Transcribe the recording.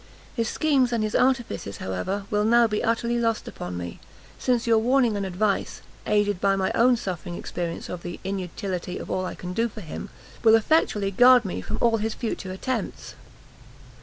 His schemes and his artifices, however, will now be utterly lost upon me, since your warning and advice, aided by my own suffering experience of the inutility of all I can do for him, will effectually guard me from all his future attempts."